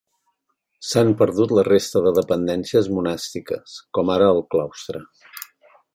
S'han perdut la resta de dependències monàstiques, com ara el claustre.